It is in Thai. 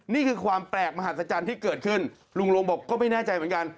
นี่คือความแปลกมหัศจรรย์ที่เกิดขึ้นลุงลงบอกก็ไม่แน่ใจเหมือนกัน